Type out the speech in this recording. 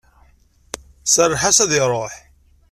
Serreḥ-as ad iruḥ.